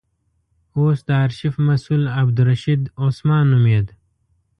اوس د آرشیف مسئول عبدالرشید عثمان نومېد.